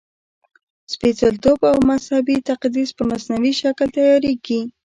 سپېڅلتوب او مذهبي تقدس په مصنوعي شکل تیارېږي.